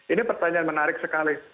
ini pertanyaan menarik sekali